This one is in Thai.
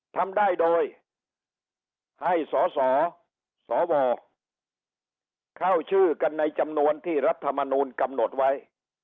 ทำได้โดยให้สสสวเข้าชื่อกันในจำนวนที่รัฐมนูลกำหนดไว้